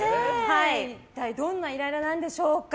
一体どんなイライラなんでしょうか。